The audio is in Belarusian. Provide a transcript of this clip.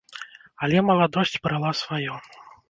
Але маладосць брала сваё.